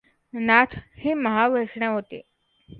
नाथ हे महावैष्णव होते.